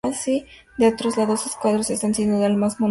De entre todos sus cuadros, este es sin duda el más monumental.